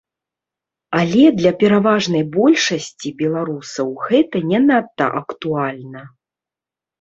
Але для пераважнай большасці беларусаў гэта не надта актуальна.